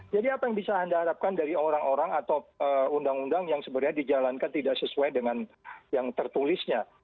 jadi apa yang bisa anda harapkan dari orang orang atau undang undang yang sebenarnya dijalankan tidak sesuai dengan yang tertulisnya